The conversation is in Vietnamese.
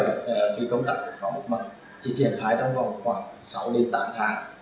vì công tác giải phóng mặt bằng chỉ triển khai trong vòng khoảng sáu đến tám tháng